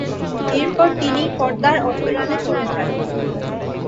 এরপর তিনি পর্দার অন্তরালে চলে যান।